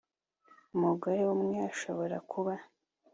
umugore umwe ashobora kuba